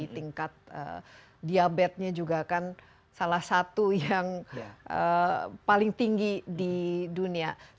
tingkat diabetesnya juga kan salah satu yang paling tinggi di dunia